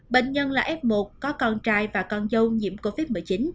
bệnh nhân là f một có con trai và con dâu nhiễm covid một mươi chín